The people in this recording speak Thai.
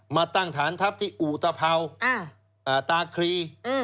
มาตั้งฐานทัพที่อุตภัวตาครี